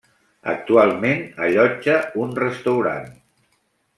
Actualment allotja un restaurant.